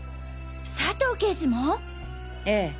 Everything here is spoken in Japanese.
佐藤刑事も？ええ。